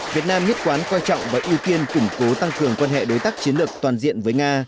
việt nam nhất quán coi trọng và ưu tiên củng cố tăng cường quan hệ đối tác chiến lược toàn diện với nga